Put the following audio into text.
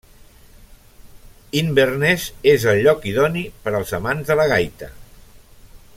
Inverness és el lloc idoni per als amants de la gaita.